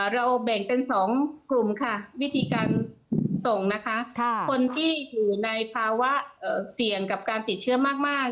เราแบ่งเป็น๒กลุ่มค่ะวิธีการส่งนะคะคนที่อยู่ในภาวะเสี่ยงกับการติดเชื้อมาก